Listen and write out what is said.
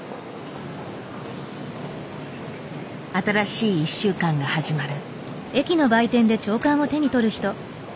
新しい１週間が始まる。